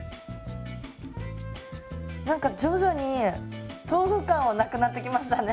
何か徐々に豆腐感はなくなってきましたね。